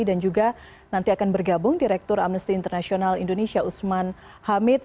dan juga nanti akan bergabung direktur amnesty international indonesia usman hamid